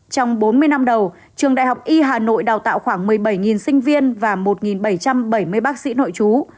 trong bốn mươi năm đầu trường đại học y hà nội đào tạo khoảng một mươi bảy sinh viên và một bảy trăm bảy mươi bác sĩ nội chú